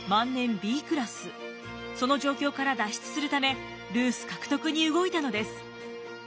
その状況から脱出するためルース獲得に動いたのです。